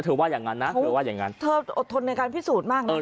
ว่าอย่างนั้นนะเธอว่าอย่างนั้นเธออดทนในการพิสูจน์มากเลย